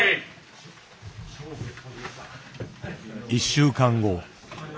１週間後。